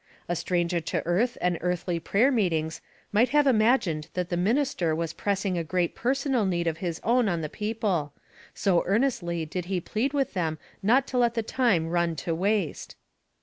A stranger to earth and earthly prayer meetings might have imagined that the minister was pressing a groat Smoke and Bewilderment, 73 personal need of his own on the people, so earn estly did he plead with them not to let the time run to waste.